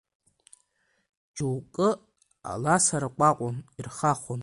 Џьоукы аласа ркәакәон, ирхахон.